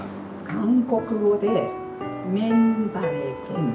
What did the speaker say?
韓国語で「メンバレ・ゲン」。